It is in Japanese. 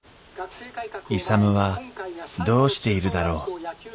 勇はどうしているだろう。